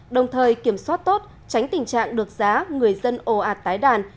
đồng thời kiểm soát tốt tránh tình trạng được giá người dân ồ ạt tái đàn